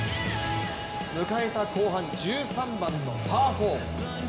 迎えた後半１３番のパー４。